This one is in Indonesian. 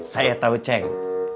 saya tau ceng